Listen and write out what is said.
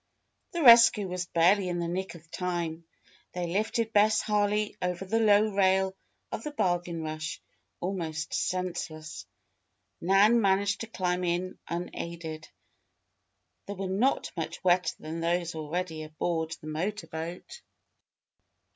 The rescue was barely in the nick of time. They lifted Bess Harley over the low rail of the Bargain Rush, almost senseless. Nan managed to climb in unaided. They were not much wetter than those already aboard the motor boat.